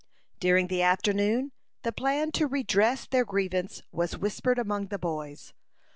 During the afternoon, the plan to redress their grievance was whispered among the boys.